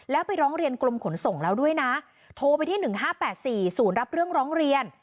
แล้วไปร้องเรียนกรมขนส่งแล้วด้วยนะโทรไปที่๑๕๘๔ศูนย์รับเรื่องร้องเรียน